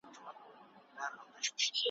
محفل ته خاندې پخپله ژاړې `